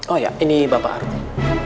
oh iya ini bapak arfi